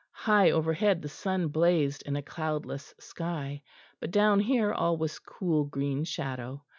High overhead the sun blazed in a cloudless sky, but down here all was cool, green shadow.